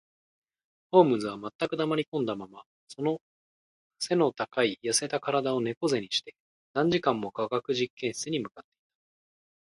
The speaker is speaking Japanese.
ホームズは全く黙りこんだまま、その脊の高い痩せた身体を猫脊にして、何時間も化学実験室に向っていた